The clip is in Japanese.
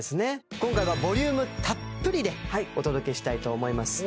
今回はボリュームたっぷりでお届けしたいと思います